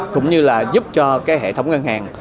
cũng như là giúp cho cái hệ thống ngân hàng